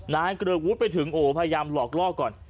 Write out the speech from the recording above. เกริกวุฒิไปถึงโอ้พยายามหลอกล่อก่อน